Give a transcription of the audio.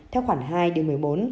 theo khoảng hai điều một mươi bốn